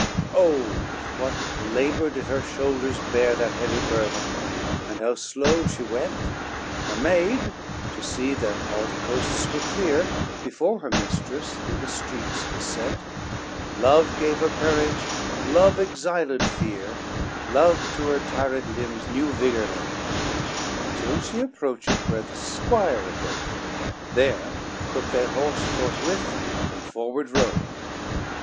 XCIII Oh, with what labor did her shoulders bear That heavy burthen, and how slow she went! Her maid, to see that all the coasts were clear, Before her mistress, through the streets was sent; Love gave her courage, love exiled fear, Love to her tired limbs new vigor lent, Till she approached where the squire abode, There took they horse forthwith and forward rode.